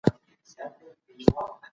قناعت کوونکی سړی تل خوشحاله وي.